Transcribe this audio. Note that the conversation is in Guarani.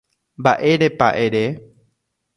Mba'érepa ere